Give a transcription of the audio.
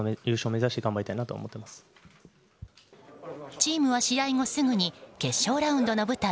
チームは試合後すぐに決勝ラウンドの舞台